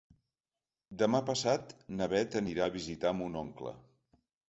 Demà passat na Beth anirà a visitar mon oncle.